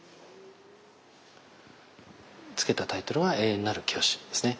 付けたタイトルは「永遠なるキヨシ」ですね。